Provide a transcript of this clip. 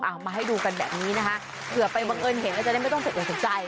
เอามาให้ดูกันแบบนี้นะคะเผื่อไปบังเอิญเห็นแล้วจะได้ไม่ต้องสอกสนใจ